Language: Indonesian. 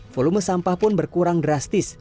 volume sampah pun berkurang drastis